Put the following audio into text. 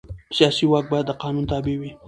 سیاسي واک باید د قانون تابع وي